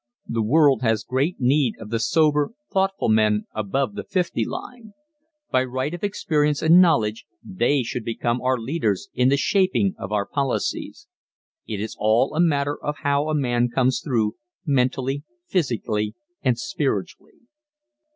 The world has great need of the sober, thoughtful men above the fifty line. By right of experience and knowledge they should become our leaders in the shaping of our policies. It is all a matter of how a man comes through, mentally, physically and spiritually.